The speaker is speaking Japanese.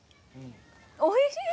おいしい。